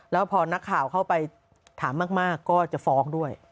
แล้วพอนักข่าวเข้าไปถามมากก็จะฟ้องด้วย